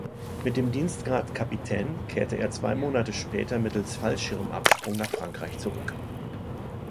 Mit dem Dienstgrad Capitaine kehrte er zwei Monate später mittels Fallschirmabsprung nach Frankreich zurück.